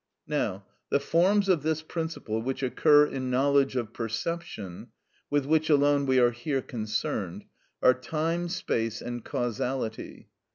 Now, the forms of this principle which occur in knowledge of perception (with which alone we are here concerned) are time, space, and causality.